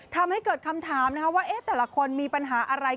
ทำให้เกิดคำถามว่าแต่ละคนมีปัญหาอะไร